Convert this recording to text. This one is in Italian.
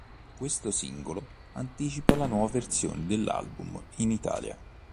Questo singolo anticipa la nuova versione dell'album in Italia.